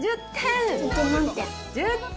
１０点。